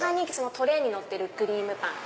トレーにのってるクリームパン。